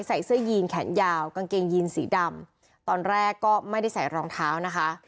ใส่เสื้อยีนแขนยาวกางเกงยีนสีดำตอนแรกก็ไม่ได้ใส่รองเท้านะคะ